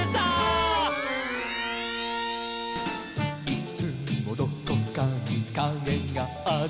「いつもどこかにかげがある」